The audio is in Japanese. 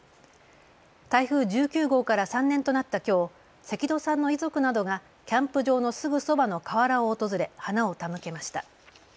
台風１９号から３年となったきょう、関戸さんの遺族などがキャンプ場のすぐそばの河原を訪れ、花を手向けました。